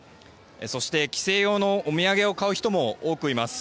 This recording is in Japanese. そして、帰省用のお土産を買う人も多くいます。